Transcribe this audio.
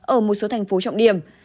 ở một số thành phố trọng điểm